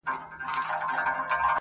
o نر پسه د حلالېدو له پاره دئ٫